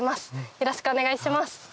よろしくお願いします。